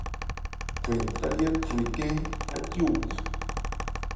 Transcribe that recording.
Khwɛn ntrályɛ́ khwre khɛ́n ácí ogu.